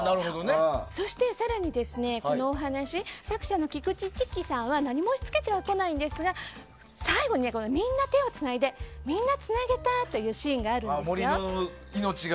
そして更にこのお話作者のきくちちきさんは何も押し付けてこないんですが最後、みんなで手をつないで「みんなつなげた」というシーンがあるんですよ。